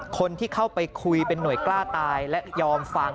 คนที่เข้าไปคุยเป็นหน่วยกล้าตายและยอมฟัง